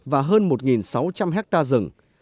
và hơn một sáu trăm linh hectare rừng